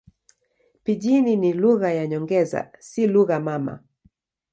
Pijini ni lugha za nyongeza, si lugha mama.